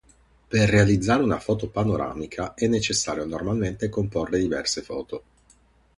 Per realizzare una "foto panoramica" è necessario normalmente comporre diverse foto.